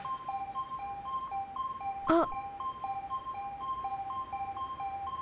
あっ！